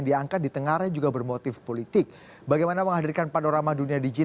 jangan gitu memakai ini